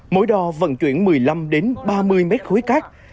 mỗi đò vận chuyển một mươi năm ba mươi m ba cát